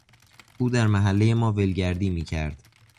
او در محلهی ما ولگردی میکرد.